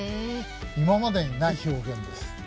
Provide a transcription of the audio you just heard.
今までにない表現です。